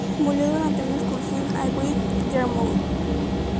Murió durante una excursión a Great Yarmouth.